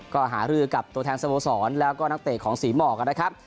ก็หารือกับตัวแทนสโมสรแล้วก็นักเตะของศรีหมอกนะครับ